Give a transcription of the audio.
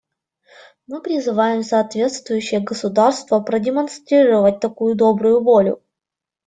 Мы призываем соответствующие государства продемонстрировать такую добрую волю.